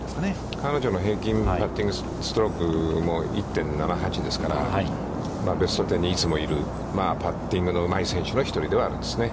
彼女の平均パッティングストロークも１．７８ですから、ベスト１０にいつもいるパッティングのうまい選手の１人ではあるんですね。